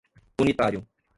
unitário